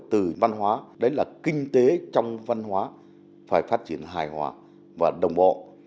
từ văn hóa đấy là kinh tế trong văn hóa phải phát triển hài hòa và đồng bộ